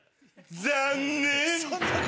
残念！